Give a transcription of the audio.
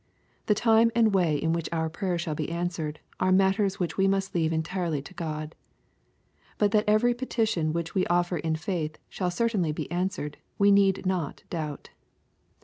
The time and way in which our prayers shall be answered are mat ters which we must leave entirely to God. But that every petition which we offer in faith shall certainly be answered, we need not doubt.